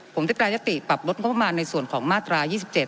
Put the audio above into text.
ผมได้แปรยติปรับลดงบประมาณในส่วนของมาตรา๒๗